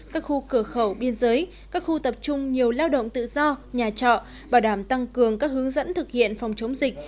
các khu cửa khẩu biên giới các khu tập trung nhiều lao động tự do nhà trọ bảo đảm tăng cường các hướng dẫn thực hiện phòng chống dịch